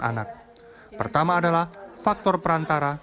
anak pertama adalah faktor perantara